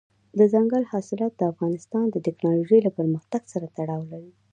دځنګل حاصلات د افغانستان د تکنالوژۍ له پرمختګ سره تړاو لري.